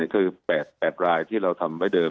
คือ๘รายที่เราทำไว้เดิม